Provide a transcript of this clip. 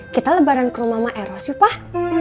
kita lebaran ke rumah maeros yuk pak